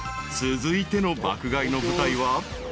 ［続いての爆買いの舞台は］